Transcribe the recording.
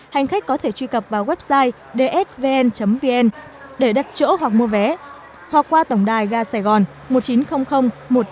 hành khách có thể truy cập vào website dsvn vn để đặt chỗ hoặc mua vé hoặc qua tổng đài ga sài gòn một chín không không một năm hai không